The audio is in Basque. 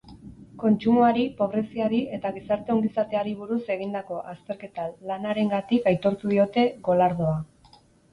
Kontsumoari, pobreziari eta gizarte ongizateari buruz egindako azterketa-lanarengatik aitortu diote golardoa.